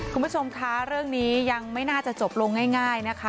คุณผู้ชมคะเรื่องนี้ยังไม่น่าจะจบลงง่ายนะคะ